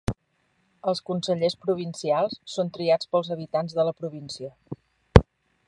Els consellers provincials són triats pels habitants de la província.